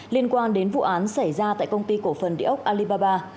liên quan đến vụ án xảy ra tại công ty cổ phần địa ốc alibaba